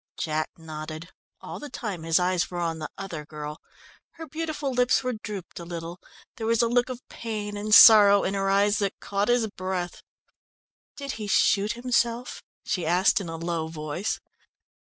Jack nodded. All the time his eyes were on the other girl. Her beautiful lips were drooped a little. There was a look of pain and sorrow in her eyes that caught his breath. "Did he shoot himself?" she asked in a low voice.